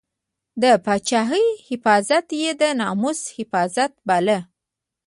د پاچاهۍ حفاظت یې د ناموس حفاظت باله.